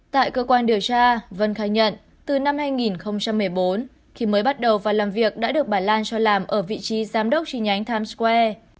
tại cơ quan điều tra vân khai nhận từ năm hai nghìn một mươi bốn khi mới bắt đầu và làm việc đã được bà lan cho làm ở vị trí giám đốc tri nhánh times square